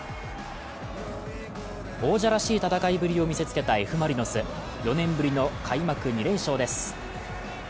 王者らしい戦いぶりを見せつけたＦ・マリノス４年ぶりの開幕２連勝です。